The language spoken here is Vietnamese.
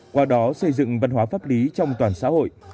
qua đó xây dựng văn hóa pháp lý trong toàn xã hội